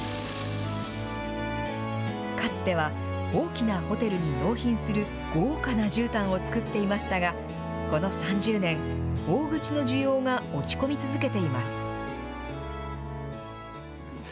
かつては、大きなホテルに納品する豪華なじゅうたんを作っていましたが、この３０年、大口の需要が落ち込み続けています。